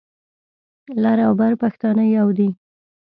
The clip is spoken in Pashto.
لر او بر پښتانه يو دي.